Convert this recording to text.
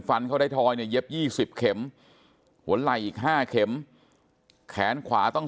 เข้าไทยทอยเนี่ยเย็บ๒๐เข็มหัวไหล่อีก๕เข็มแขนขวาต้อง